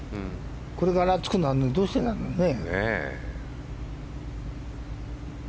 これから暑くなるのにどうしてだろうね。